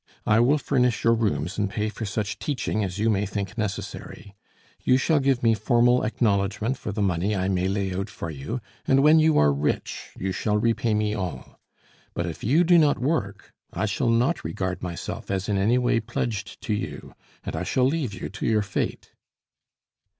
I will furnish your rooms and pay for such teaching as you may think necessary. You shall give me formal acknowledgment for the money I may lay out for you, and when you are rich you shall repay me all. But if you do not work, I shall not regard myself as in any way pledged to you, and I shall leave you to your fate."